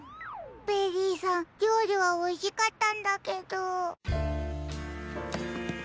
ベリーさんりょうりはおいしかったんだけど。